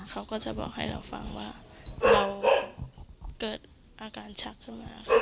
เขาก็จะบอกให้เราฟังว่าเราเกิดอาการชักขึ้นมา